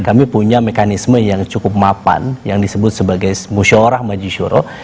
kami punya mekanisme yang cukup mapan yang disebut sebagai musyawarah majisyuroh